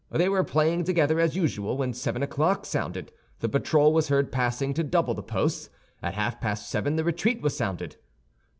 They were playing together, as usual, when seven o'clock sounded; the patrol was heard passing to double the posts. At half past seven the retreat was sounded.